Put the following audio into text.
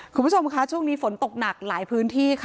คุณผู้ชมค่ะช่วงนี้ฝนตกหนักหลายพื้นที่ค่ะ